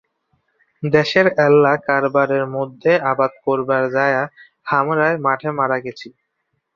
দ্যাশের এল্লা কারবারের মধ্যে আবাদ করবার য্যায়া হামরায় মাঠে মারা গেচি।